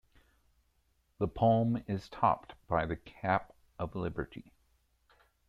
The palm is topped by the Cap of Liberty.